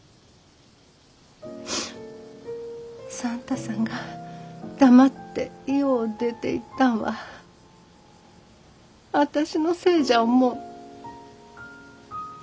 算太さんが黙って家を出ていったんは私のせいじゃ思う。